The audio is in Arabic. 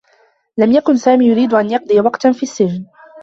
لم يكن سامي يريد أن يقضي وقتا في السّجن.